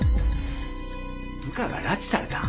部下が拉致された？